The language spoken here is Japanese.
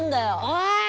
おい！